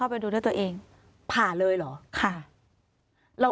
อันดับสุดท้ายแก่มือ